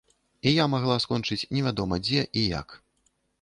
І я магла скончыць невядома дзе і як.